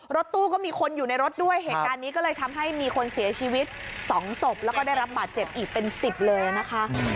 รถตู้ก็มีคนอยู่ในรถด้วยเหตุการณ์นี้ก็เลยทำให้มีคนเสียชีวิต๒ศพแล้วก็ได้รับบาดเจ็บอีกเป็น๑๐เลยนะคะ